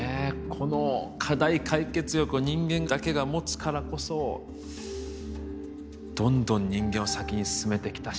この課題解決欲は人間だけが持つからこそどんどん人間を先に進めてきたし。